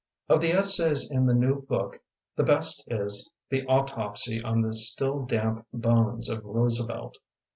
Of the essays in the new book the best is the autopsy on the still damp bones of Roosevelt.